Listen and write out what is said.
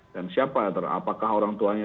dan siapa apakah orang tuanya